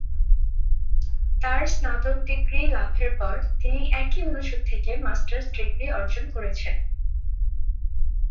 তার স্নাতক ডিগ্রি লাভের পর, তিনি একই অনুষদ থেকে মাস্টার্স ডিগ্রি অর্জন করেছেন।